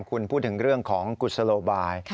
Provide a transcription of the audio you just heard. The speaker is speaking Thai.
คุณพูดถึงเรื่องของกุศโลบาย